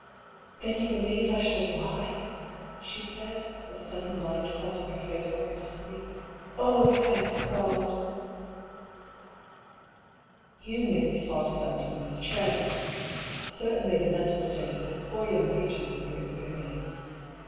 " Then you do believe I shall die ?" she said, a sud den light crossing her face like a sunbeam. " Oh, thank God !" A MORAL DUEL. 65 Hugh nearly started up from his chair. Certainly the mental state of this poor young creature was a new experience.